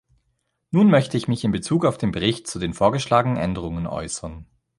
Nun möchte ich mich in Bezug auf den Bericht zu den vorgeschlagen Änderungen äußern.